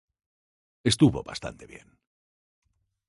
Estuvo bastante bien.